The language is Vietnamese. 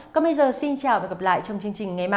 còn bây giờ xin chào và hẹn gặp lại trong chương trình ngày mai